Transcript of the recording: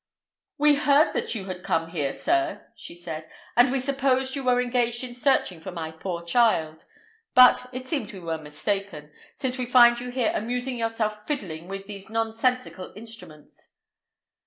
"We heard that you had come here, sir," said she, "and we supposed you were engaged in searching for my poor child. But it seems we were mistaken, since we find you here amusing yourselves fiddling with these nonsensical instruments."